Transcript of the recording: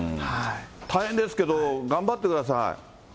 大変ですけど、頑張ってください。